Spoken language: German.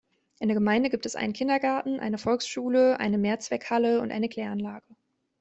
In der Gemeinde gibt es einen Kindergarten, eine Volksschule, eine Mehrzweckhalle und eine Kläranlage.